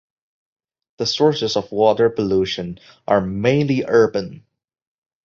The sources of water pollution are mainly urban.